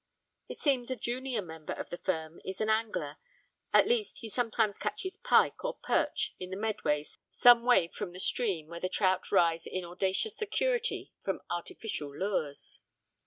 It seems a junior member of the firm is an angler, at least he sometimes catches pike or perch in the Medway some way from the stream where the trout rise in audacious security from artificial lures.